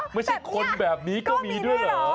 ไม่ใช่คนแบบนี้ก็มีด้วยเหรอ